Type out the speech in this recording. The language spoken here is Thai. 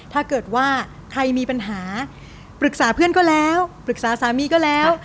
ถ้าเกิดว่าใครมีปัญหาปรึกษาเพื่อนก็แล้วปรึกษาสามีก็แล้ว